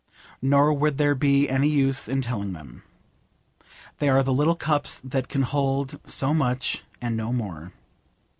Nor would there be any use in telling them. They are the little cups that can hold so much and no more.